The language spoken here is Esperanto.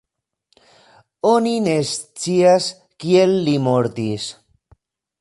Oni ne scias kiel li mortis.